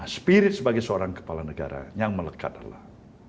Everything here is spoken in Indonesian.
spirit sebagai seorang kepala negara yang melekat adalah